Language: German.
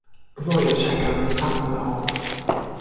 So, ihr Checker, nun passt mal auf!